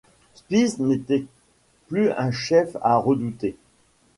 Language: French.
Spitz n’était plus un chef à redouter.